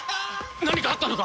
何かあったのか！？